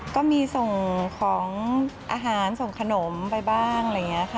ก็มีส่งของอาหารส่งขนมไปบ้างอะไรอย่างนี้ค่ะ